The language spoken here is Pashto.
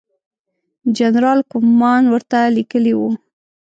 جنرال کوفمان ورته لیکلي وو.